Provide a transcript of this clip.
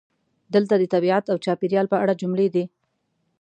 دلته د "طبیعت او چاپیریال" په اړه جملې دي: